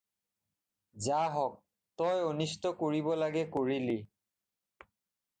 যাহক, তই যি অনিষ্ট কৰিব লাগে কৰিলি।